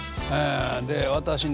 で私ね